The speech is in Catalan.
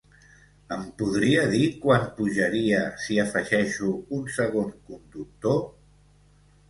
Em podria dir quant pujaria si afegeixo un segon conductor?